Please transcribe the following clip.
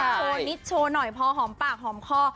โชว์นิดโชว์หน่อยพอหอมปากหอมคอ